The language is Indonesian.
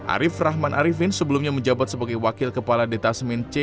arief rahman arifin sebelumnya menjabat sebagai wakil kepala detasemen c